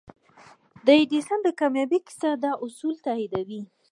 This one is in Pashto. د ايډېسن د کاميابۍ کيسه دا اصول تاييدوي.